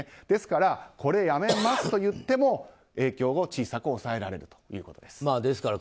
ですから、やめますと言っても影響を小さく抑えられるということです。